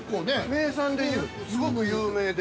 ◆名産で、すごく有名で。